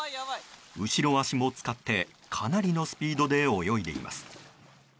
後ろ足も使ってかなりのスピードで泳いでいます。